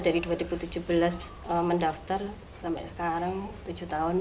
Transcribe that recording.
dari dua ribu tujuh belas mendaftar sampai sekarang tujuh tahun